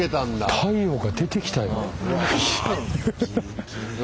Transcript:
太陽が出てきたよ